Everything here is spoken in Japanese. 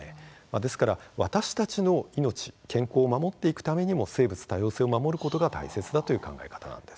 ですから私たちの命、健康を守っていくためにも生物多様性を守ることが大切だという考え方なんです。